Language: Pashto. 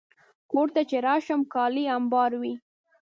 کور ته چې راشم، کالي امبار وي.